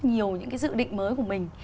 nhiều những cái dự định mới của mình